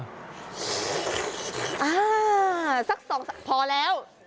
อ้าวสัก๒สักพอแล้ว